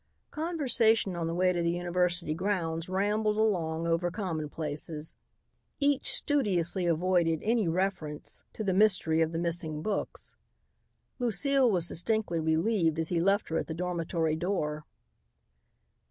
Conversation on the way to the university grounds rambled along over commonplaces. Each studiously avoided any reference to the mystery of the missing books. Lucile was distinctly relieved as he left her at the dormitory door.